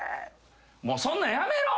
「もうそんなんやめろ！」